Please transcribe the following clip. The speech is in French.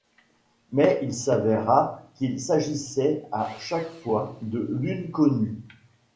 Mais il s'avéra qu'il s'agissait à chaque fois de lunes connues.